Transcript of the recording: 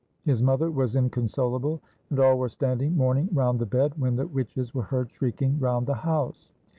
His mother was inconsolable, and all were standing mourning round the bed, when the witches were heard shrieking round the house.